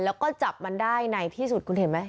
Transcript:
แล้วก็จับมันได้ในที่สุดคุณเห็นไหม